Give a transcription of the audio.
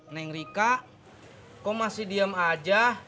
neng rika kok masih diam aja